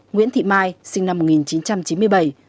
nguyễn thị mai sinh năm một nghìn chín trăm chín mươi bảy